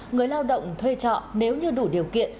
người lao động thuê trọ nếu như đủ điều kiện